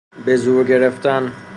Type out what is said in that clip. بزور گرفتن